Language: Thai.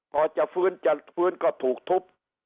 พอจะฟื้นจะฟื้นก็ถูกทุบ